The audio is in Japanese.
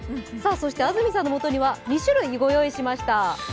安住さんのもとには２種類ご用意しました。